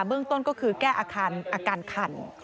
เบื้องต้นก็คือแก้อาการคัน